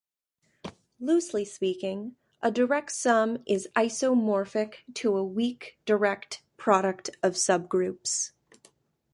Loosely speaking, a direct sum is isomorphic to a weak direct product of subgroups.